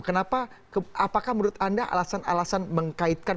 kenapa apakah menurut anda alasan alasan mengkaitkan